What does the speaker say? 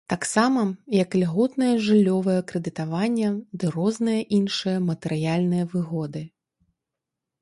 Таксама, як ільготнае жыллёвае крэдытаванне ды розныя іншыя матэрыяльныя выгоды.